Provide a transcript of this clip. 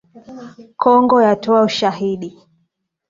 Kongo yatoa ushahidi